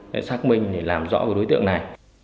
để xác minh để làm rõ đối tượng này